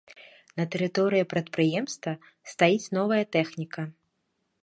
На тэрыторыі прадпрыемства стаіць новая тэхніка.